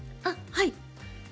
あっはい。